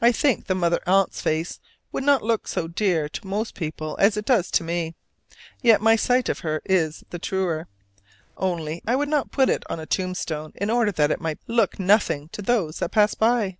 I think the Mother Aunt's face would not look dear to most people as it does to me, yet my sight of her is the truer: only I would not put it up on a tombstone in order that it might look nothing to those that pass by.